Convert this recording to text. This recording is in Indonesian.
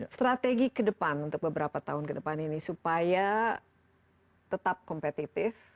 strategi ke depan untuk beberapa tahun ke depan ini supaya tetap kompetitif